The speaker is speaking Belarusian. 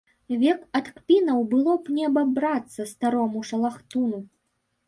Век ад кпінаў было б не абабрацца старому шалахтуну.